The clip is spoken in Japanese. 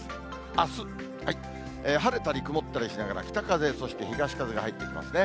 あす、晴れたり曇ったりしながら、北風、そして東風が入ってきますね。